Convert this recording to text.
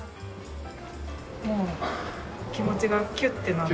もう気持ちがキュッてなる。